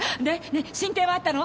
ねえ進展はあったの？